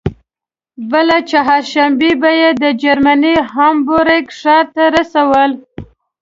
بله چهارشنبه به یې د جرمني هامبورګ ښار ته رسول.